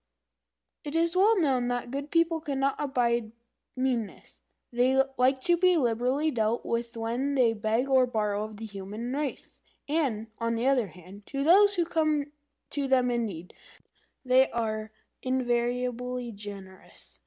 It is well known that the Good People cannot abide meanness. They like to be liberally dealt with when they beg or borrow of the human race; and, on the other hand, to those who come to them in need, they are invariably generous.